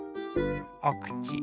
おくち。